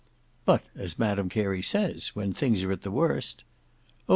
"But, as Madam Carey says, when things are at the worst—" "Oh!